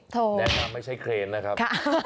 แนะนำไม่ใช่เครนนะครับ